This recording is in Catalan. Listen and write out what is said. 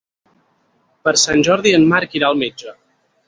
Per Sant Jordi en Marc irà al metge.